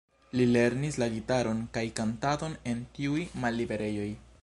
Li lernis la gitaron kaj kantadon en tiuj malliberejoj.